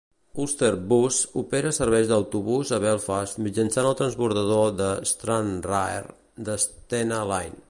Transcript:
Ulsterbus opera serveis d'autobús a Belfast mitjançant el transbordador de Stranraer de Stena Line.